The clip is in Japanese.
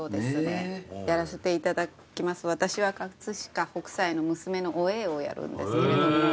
私は飾北斎の娘のお栄をやるんですけれどもはい。